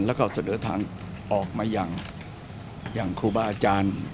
แล้วก็เสนอทางออกมาอย่างครูบาอาจารย์